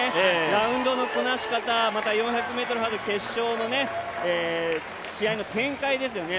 ラウンドのこなし方また、４００ｍハードル決勝の試合の展開ですよね